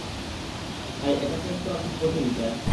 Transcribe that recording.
তাই এটা ট্রেস করা খুব কঠিন, স্যার।